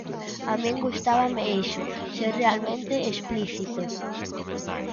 A min gustábame iso, ser realmente explícito.